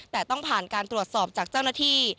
แต่ต้องผ่านการตรวจสอบจากเจ้าหน้าที่